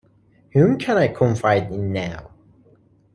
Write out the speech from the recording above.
Whom can I confide in now?